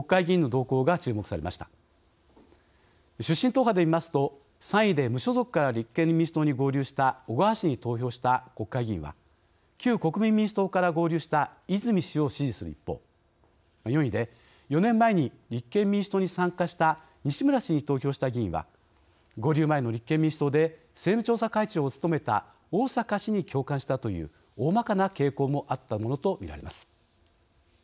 出身党派で見ますと３位で無所属から立憲民主党に合流した小川氏に投票した国会議員は旧国民民主党から合流した泉氏を支持する一方４位で４年前に立憲民主党に参加した西村氏に投票した議員は合流前の立憲民主党で政務調査会長を務めた逢坂氏に共感したというおおまかな傾向もあったものと見られます。